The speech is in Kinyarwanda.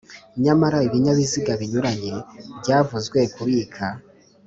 Nyamara ibinyabiziga binyuranye byavuzwe ku bika